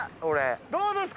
どうですか？